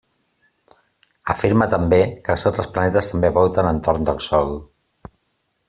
Afirma també que els altres planetes també volten entorn del Sol.